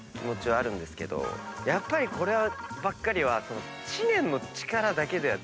やっぱりこればっかりは。